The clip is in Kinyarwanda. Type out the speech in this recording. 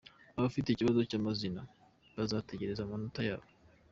Abafite ikibazo cy’amazina bazategereza amanota yabo.